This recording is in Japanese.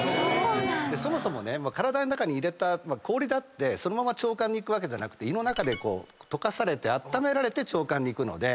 そもそも体ん中に入れた氷だってそのまま腸管に行くわけじゃなく胃の中で溶かされてあっためられて腸管に行くので。